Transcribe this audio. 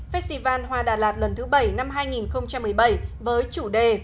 festival hoa đà lạt lần thứ bảy năm hai nghìn một mươi bảy với chủ đề